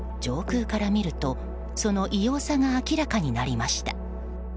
上空から見るとその異様さが明らかになりました。